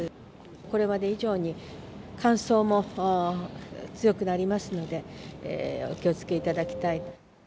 これまで以上に乾燥も強くなりますので、お気を付けいただきたい。